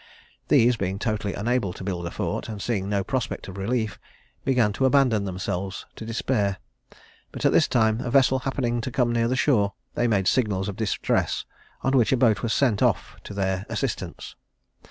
These, being totally unable to build a fort, and seeing no prospect of relief, began to abandon themselves to despair; but at this time a vessel happening to come near the shore, they made signals of distress, on which a boat was sent off to their assistance.